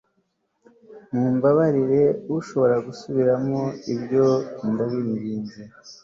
Mumbabarire ushobora gusubiramo ibyo ndabinginze